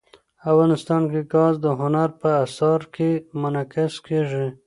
افغانستان کې ګاز د هنر په اثار کې منعکس کېږي.